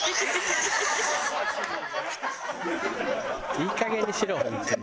いいかげんにしろ本当に。